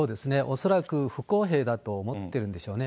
恐らく不公平だと思ってるんでしょうね。